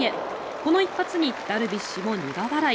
この一発にダルビッシュも苦笑い。